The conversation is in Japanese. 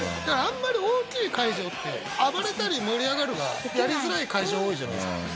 だからあんまり大きい会場って暴れたり盛り上がるがやりづらい会場多いじゃないですか。